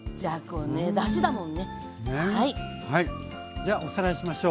じゃあおさらいしましょう。